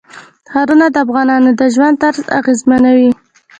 ښارونه د افغانانو د ژوند طرز اغېزمنوي.